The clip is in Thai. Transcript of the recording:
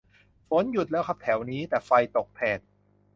ฝนหยุดแล้วครับแถวนี้ แต่ไฟตกแทน